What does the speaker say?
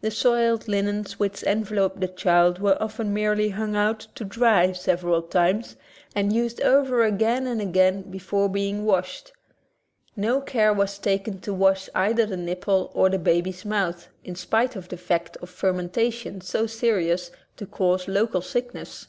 The soiled linens which enveloped the child were often merely hung out to dry sev eral times and used over again and again be fore being washed. No care was taken to wash either the nipple or the baby's mouth, in spite of the fact of fermentation so serious to cause local sickness.